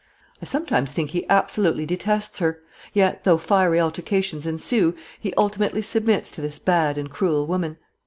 I sometimes think he absolutely detests her; yet, though fiery altercations ensue, he ultimately submits to this bad and cruel woman.